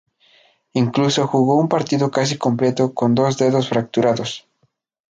Incluso jugó un partido casi completo con dos dedos fracturados.